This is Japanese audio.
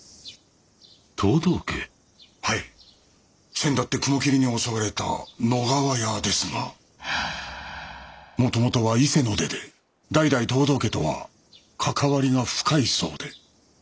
せんだって雲霧に襲われた野川屋ですがもともとは伊勢の出で代々藤堂家とは関わりが深いそうで。